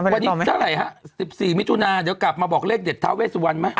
วันนี้เท่าไรครับ๑๔มิถุนาฮะเดี๋ยวกลับมาบอกเลขเห้ยเทอมเวสวันไหม